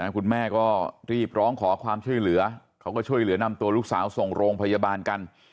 คุณแม่ก็รีบร้องขอความช่วยเหลือเขาก็ช่วยเหลือนำตัวลูกสาวส่งโรงพยาบาลกัน